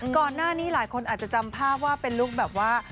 ก่อนหน้านี้หลายคนอาจจะจำภาพว่าเป็นลุคแบบว่า